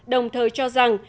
đồng thời cho rằng